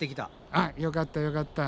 あっよかったよかった。